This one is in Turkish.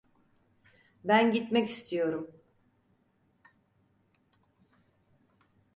Ben gitmek istiyorum.